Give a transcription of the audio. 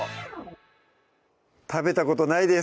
食べたことないです